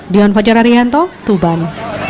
dion fajar arihanto tuban